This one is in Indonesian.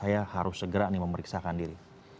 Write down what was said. saya harus segera memeriksakan diri